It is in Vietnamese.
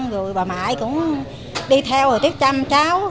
rồi bà mẹ cũng đi theo rồi tiếp chăm cháu